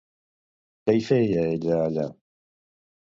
Què hi feia ella allà?